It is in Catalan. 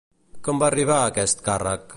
Com va arribar a aquest càrrec?